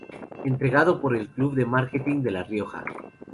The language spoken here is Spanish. Entregado por el Club de Marketing de La Rioja.